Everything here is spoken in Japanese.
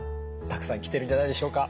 たくさん来てるんじゃないでしょうか。